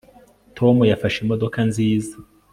tom yafashe imodoka nziza